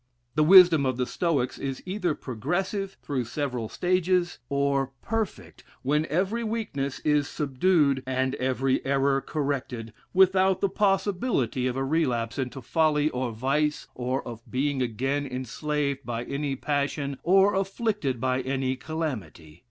The wisdom of the Stoics is either progressive, through several stages; or perfect, when every weakness if subdued, and every error corrected, without the possibility of a relapse into folly, or vice, or of being again enslaved by any passion, or afflicted by any calamity.